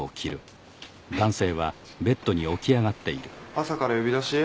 朝から呼び出し？